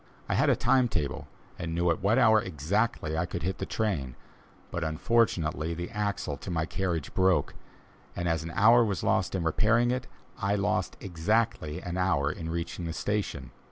I had a time table, and knew at what hour exactly I could hit the train; but unfortunately the axle to my carriage broke, and as an hour was lost in repairing it, I lost exactly an hour in reaching the station.